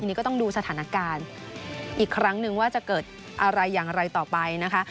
นี่ก็ต้องดูสถานการณ์อีกครั้งหนึ่งว่าจะเกิดอะไรอย่างไรต่อไปนะคะ